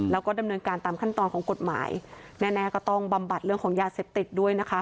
แล้วก็ดำเนินการตามขั้นตอนของกฎหมายแน่แน่ก็ต้องบำบัดเรื่องของยาเสพติดด้วยนะคะ